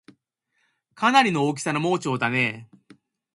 かなりの大きさの盲腸だねぇ